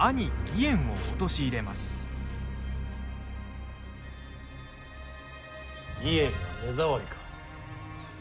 義円が目障りか。